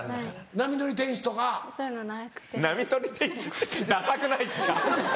「波乗り天使」ってダサくないですか？